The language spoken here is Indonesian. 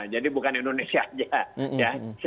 jadi bukan indonesia aja